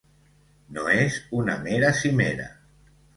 No és una mera cimera.